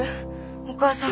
お母さん。